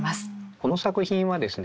この作品はですね